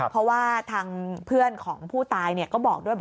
เพราะว่าทางเพื่อนของผู้ตายก็บอกด้วย